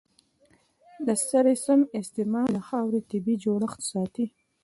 د سرې سم استعمال د خاورې طبیعي جوړښت ساتي.